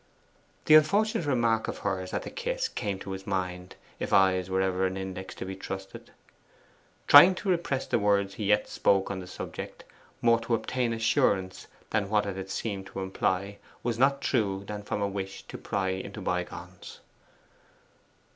The unfortunate remark of hers at the kiss came into his mind, if eyes were ever an index to be trusted. Trying to repress the words he yet spoke on the subject, more to obtain assurance that what it had seemed to imply was not true than from a wish to pry into bygones.